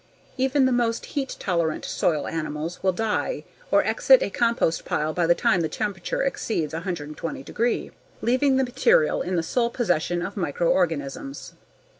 Even the most heat tolerant soil animals will die or exit a compost pile by the time the temperature exceeds 120 degree, leaving the material in the sole possession of microorganisms.